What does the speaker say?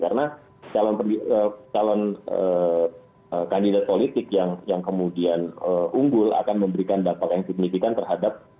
karena calon kandidat politik yang kemudian unggul akan memberikan dampak yang signifikan terhadap